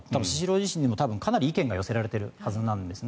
スシローにもかなりいい意見が寄せられているはずなんです。